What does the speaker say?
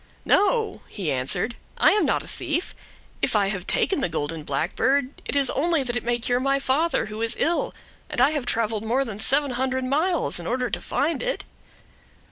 "No," he answered, "I am not a thief. If I have taken the golden blackbird, it is only that it may cure my father, who is ill, and I have traveled more than seven hundred miles in order to find it."